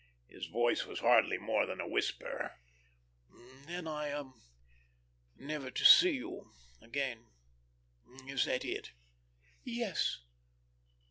His voice was hardly more than a whisper. "Then, I am never to see you again... Is that it?" "Yes."